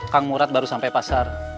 kang murad baru sampai pasar